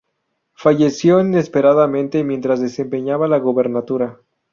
Falleció inesperadamente mientras desempeñaba la gobernatura.